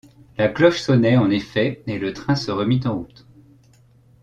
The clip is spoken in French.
La cloche sonnait, en effet, et le train se remit en route.